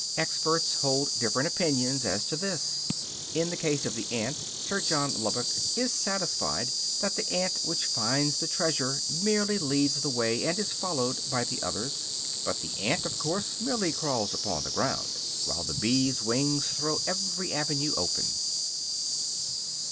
Experts hold different opinions as to this; in the case of the ant Sir John Lubbock is satisfied that the ant which finds the treasure merely leads the way and is followed by the others; but the ant, of course, merely crawls along the ground, while the bee's wings throw every avenue open.